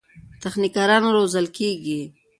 تخنیکران روزل کېږي.